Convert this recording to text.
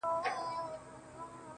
خو د چا يو ويښته له سر ايستلی نه و